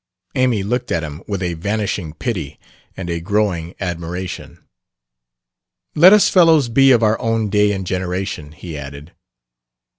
Amy looked at him with a vanishing pity and a growing admiration. "Let us fellows be of our own day and generation," he added.